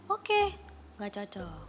oke enggak cocok